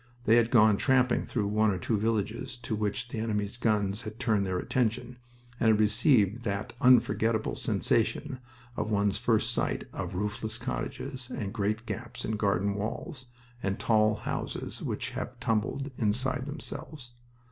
They had gone tramping through one or two villages to which the enemy's guns had turned their attention, and had received that unforgetable sensation of one's first sight of roofless cottages, and great gaps in garden walls, and tall houses which have tumbled inside themselves.